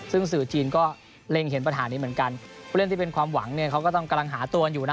ซึ่งสื่อจีนก็เล็งเห็นปัญหานี้เหมือนกันผู้เล่นที่เป็นความหวังเนี่ยเขาก็ต้องกำลังหาตัวกันอยู่นะ